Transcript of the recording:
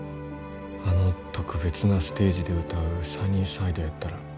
あの特別なステージで歌う「サニーサイド」やったら。